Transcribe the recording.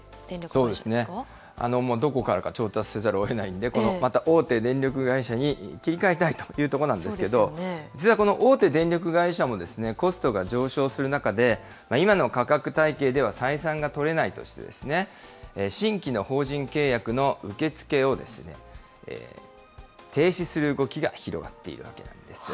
そうですね、どこかから調達せざるをえないので、この大手電力会社に切り替えたというところなんですけれども、実はこの大手電力会社も、コストが上昇する中で、今の価格体系では採算が取れないとして、新規の法人契約の受け付けを停止する動きが広がっているわけなんです。